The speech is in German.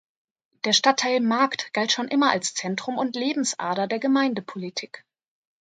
Der Stadtteil Markt galt schon immer als Zentrum und Lebensader der Gemeindepolitik.